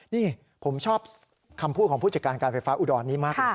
นี่ผมชอบคำพูดของผู้จัดการการไฟฟ้าอุดรนี้มากเลย